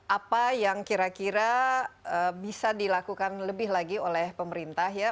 apa yang kira kira bisa dilakukan lebih lagi oleh pemerintah ya